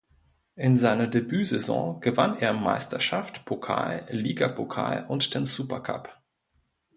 In seiner Debütsaison gewann er Meisterschaft, Pokal, Ligapokal und den Super Cup.